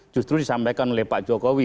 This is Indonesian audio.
justru disampaikan oleh pak jokowi